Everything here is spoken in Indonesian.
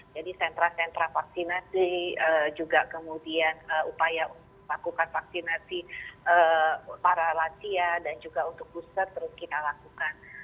jadi sentra sentra vaksinasi juga kemudian upaya untuk melakukan vaksinasi para latia dan juga untuk buset terus kita lakukan